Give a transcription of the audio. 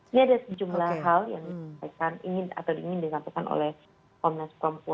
ini ada sejumlah hal yang ingin dilakukan oleh komnas pembuat